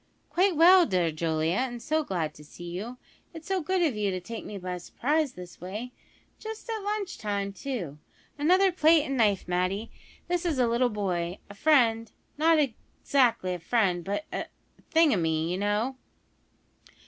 "Quite well, dear Julia, and so glad to see you. It is so good of you to take me by surprise this way; just at lunch time, too. Another plate and knife, Matty. This is a little boy a friend not exactly a friend, but a a thingumy, you know."